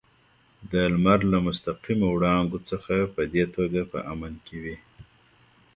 د لمر له مستقیمو وړانګو څخه په دې توګه په امن کې وي.